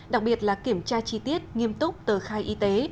đặc biệt là kiểm tra chi tiết nghiêm túc tờ khai y tế